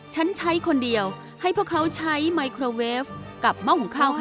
ฉันใช้คนเดียวให้พวกเขาใช้ไมโครเวฟกับหม้อหุงข้าวค่ะ